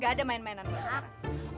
gak ada main mainan mulai sekarang